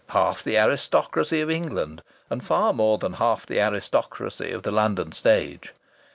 Half the aristocracy of England, and far more than half the aristocracy of the London stage!